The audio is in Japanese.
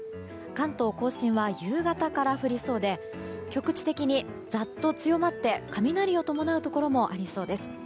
関東・甲信は夕方から降りそうで局地的にざっと強まって雷を伴うところもありそうです。